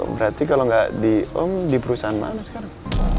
berarti kalo gak di om di perusahaan mana sekarang